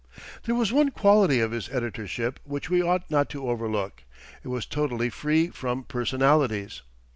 There was one quality of his editorship which we ought not to overlook. It was totally free from personalities.